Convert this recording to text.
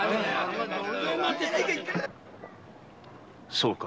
そうか。